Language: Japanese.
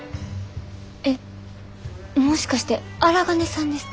えっもしかして荒金さんですか？